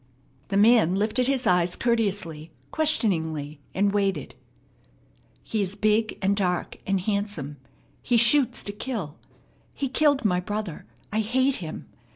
The man lifted his eyes courteously, questioningly, and waited. "He is big and dark and handsome. He shoots to kill. He killed my brother. I hate him.